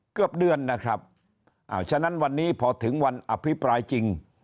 เกือบเดือนนะครับอ่าฉะนั้นวันนี้พอถึงวันอภิปรายจริง